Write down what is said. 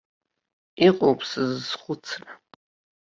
Иҟоуп сзызхәыцра!